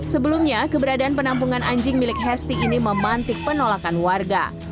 sebelumnya keberadaan penampungan anjing milik hesti ini memantik penolakan warga